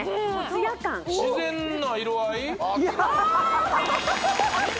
自然な色合いあっ！